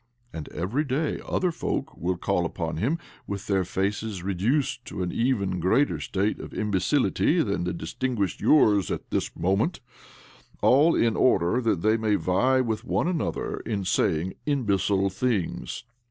' And every day other folk will call upon him with their faces reduced to an even greater state of imbecility than distinguishes yours at this moment — all in order that they may vie with one another in saying imbecile things.